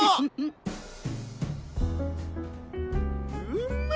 うめ！